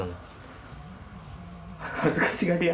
恥ずかしがり屋？